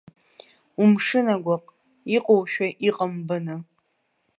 Умшын агәаҟ, иҟоушәа иҟам баны.